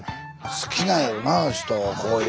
好きなんやろなあの人こういう。